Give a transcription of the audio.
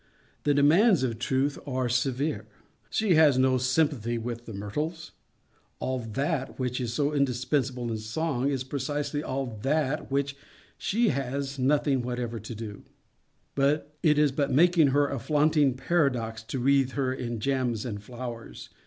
The demands of Truth are severe. She has no sympathy with the myrtles. All _that _which is so indispensable in Song is precisely all _that _with which _she _has nothing whatever to do. It is but making her a flaunting paradox to wreathe her in gems and flowers.